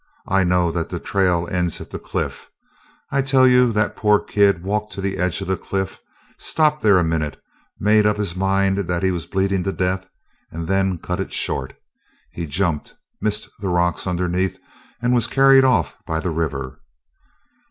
I know that the trail ends at the cliff. I'll tell you that poor kid walked to the edge of the cliff, stopped there a minute; made up his mind that he was bleeding to death, and then cut it short. He jumped, missed the rocks underneath, and was carried off by the river."